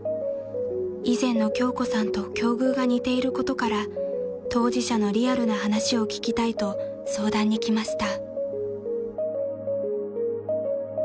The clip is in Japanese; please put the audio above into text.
［以前の京子さんと境遇が似ていることから当事者のリアルな話を聞きたいと相談に来ました］